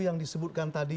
yang disebutkan tadi